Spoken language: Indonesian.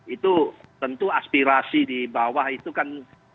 itu tentu aspirasi di bawah itu kan